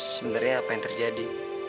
sebenarnya apa yang terjadi